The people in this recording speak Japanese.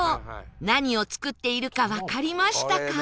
何を作っているかわかりましたか？